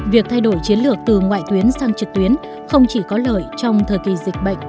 việc thay đổi chiến lược từ ngoại tuyến sang trực tuyến không chỉ có lợi trong thời kỳ dịch bệnh